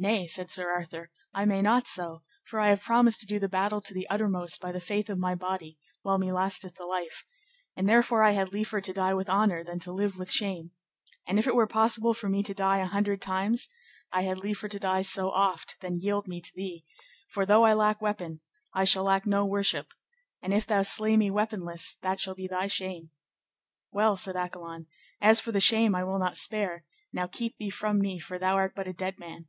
Nay, said Sir Arthur, I may not so, for I have promised to do the battle to the uttermost by the faith of my body, while me lasteth the life, and therefore I had liefer to die with honour than to live with shame; and if it were possible for me to die an hundred times, I had liefer to die so oft than yield me to thee; for though I lack weapon, I shall lack no worship, and if thou slay me weaponless that shall be thy shame. Well, said Accolon, as for the shame I will not spare, now keep thee from me, for thou art but a dead man.